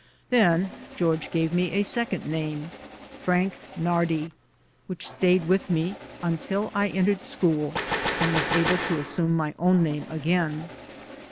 Then George gave me a second name, Frank Nardi, which stayed with me until I entered school and was able to assume my own name again.